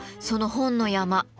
その本の山。